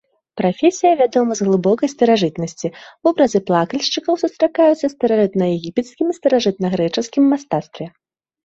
Прафесія вядомая з глыбокай старажытнасці, вобразы плакальшчыкаў сустракаюцца ў старажытнаегіпецкім і старажытнагрэчаскім мастацтве.